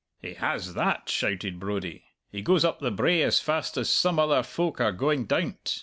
"He has that!" shouted Brodie. "He goes up the brae as fast as some other folk are going down't.